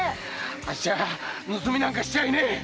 あっしは盗みなんかしちゃいねえ！